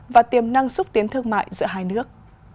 và tiềm năng xúc tiến thương mại giữa hai nước